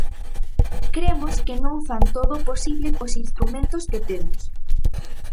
Cremos que non fan todo o posible cos instrumentos que temos.